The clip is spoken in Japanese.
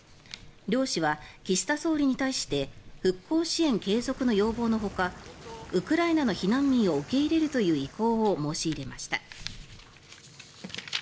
両市は、岸田総理に対して復興支援継続要望のほかウクライナの避難民を受け入れるという意向を申し入れました。